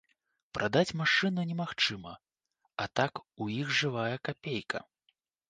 Прадаць машыну немагчыма, а так у іх жывая капейка.